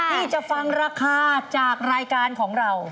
ที่จะฟังราคาจากรายการของเรา